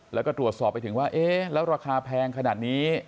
แล้วก็ตรวจสอบไปถึงว่าเอ๊ะแล้วราคาแพงขนาดนี้